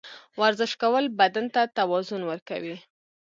ورزش کول بدن ته توازن ورکوي.